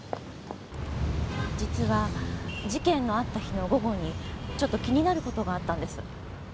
実は事件のあった日の午後にちょっと気になる事があったんです。